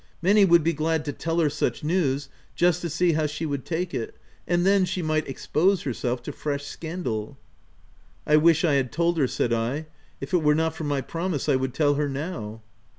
Many would be glad to tell her such news, just to see how she would take it \ and then she might expose herself to fresh scandal/' " I wish I had told her/' said I. * tf If it were not for my promise, 1 would tell her now."